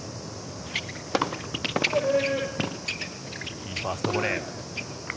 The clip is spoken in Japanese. いいファーストボレー。